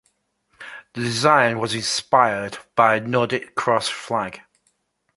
The design was inspired by the Nordic Cross flag.